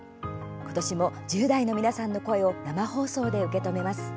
今年も１０代の皆さんの声を生放送で受け止めます。